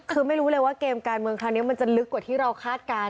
คือไม่รู้เลยว่าเกมการเมืองครั้งนี้มันจะลึกกว่าที่เราคาดการณ